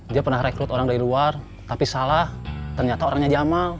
dia pernah rekrut orang dari luar tapi salah ternyata orangnya jamal